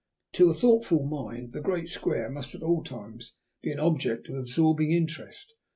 To a thoughtful mind the Great Square must at all times be an object of absorbing interest.